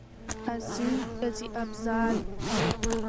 حسين، قاضي افضال.